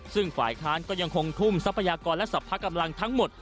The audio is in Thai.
ซึ่งฝ่ายค้านก็ยังคงทุ่มทรัพยากรและสรรพกำลังทั้งหมด